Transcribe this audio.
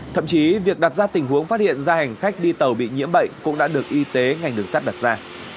thậm chí việc đặt ra tình huống phát hiện ra hành khách đi tàu bị nhiễm bệnh cũng đã được y tế ngành đường sắt đặt ra